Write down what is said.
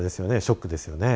ショックですよね？